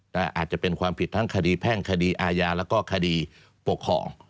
อาจจะเป็นความผิดทั้งคดีแพ่งคดีอาญาแล้วก็คดีปกครอง